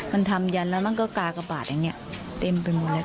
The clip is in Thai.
มันทำยันแล้วมันก็กากบาทอย่างนี้เต็มไปหมดเลยค่ะ